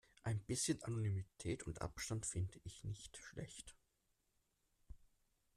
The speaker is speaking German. Ein bisschen Anonymität und Abstand finde ich nicht schlecht.